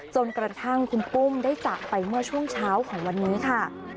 จนกระทั่งคุณปุ้มได้จากไปเมื่อช่วงเช้าของวันนี้ค่ะ